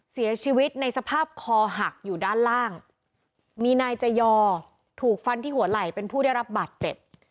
เสียชีวิตในสภาพคอหักอยู่ด้านล่างมีนายจยอถูกฟันที่หัวไหล่เป็นผู้ได้รับบาดเจ็บ